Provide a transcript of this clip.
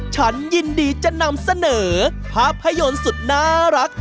ฉันยินดีจะนำเสนอภาพยนตร์สุดน่ารัก